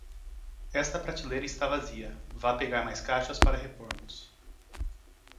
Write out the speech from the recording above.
Está prateleira está vazia, vá pegar mais caixas para repormos.